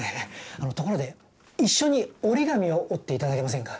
あのところで一緒に折り紙を折っていただけませんか？